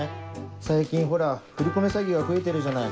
最近ほら振り込め詐欺が増えてるじゃない。